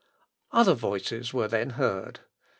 Other voices were then heard.